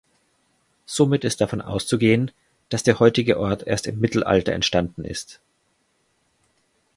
Somit ist davon auszugehen, dass der heutige Ort erst im Mittelalter entstanden ist.